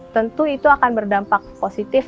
tentu itu akan berdampak positif